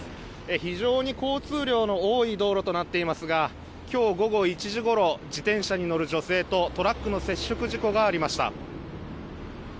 非常に交通量の多い道路となっていますが今日午後１時ごろ自転車に乗る女性とトラックの接触事故がありました。